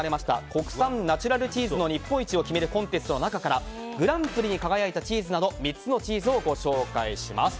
国産ナチュラルチーズの日本一を決めるコンテストの中からグランプリに輝いたチーズなど３つのチーズをご紹介します。